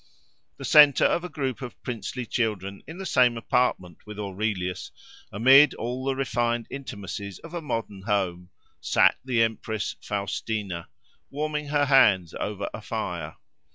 The centre of a group of princely children, in the same apartment with Aurelius, amid all the refined intimacies of a modern home, sat the empress Faustina, warming her hands over a fire.